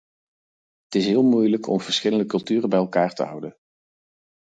Het is heel moeilijk om verschillende culturen bij elkaar te houden.